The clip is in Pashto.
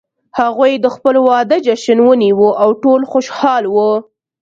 هغوی د خپل واده جشن ونیو او ټول خوشحال وو